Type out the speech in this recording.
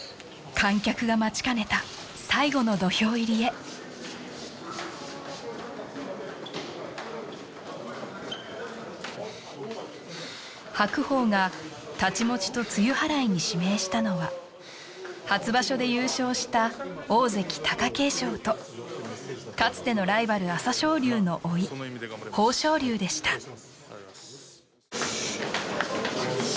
観客が待ちかねた最後の土俵入りへ白鵬が太刀持ちと露払いに指名したのは初場所で優勝した大関・貴景勝とかつてのライバル朝青龍の甥・豊昇龍でした期待してます